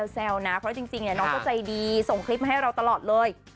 แซวนะเพราะจริงน้องก็ใจดีส่งคลิปมาให้เราตลอดเลย